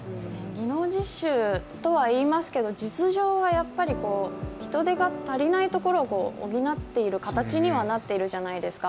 技能実習とはいいますけど、実情は人手が足りないところを補っている形にはなっているじゃないですか。